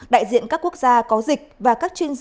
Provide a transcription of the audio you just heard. đại diện các quốc gia có dịch và các chuyên gia